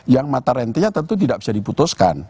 yang mata rentenya tentu tidak bisa diputuskan